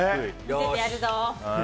見せてやるぞ！